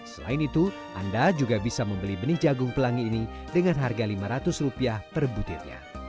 selain itu anda juga bisa membeli benih jagung pelangi ini dengan harga lima ratus rupiah per butirnya